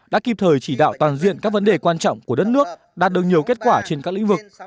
đã kịp thời chỉ đạo toàn diện các vấn đề quan trọng của đất nước đạt được nhiều kết quả trên các lĩnh vực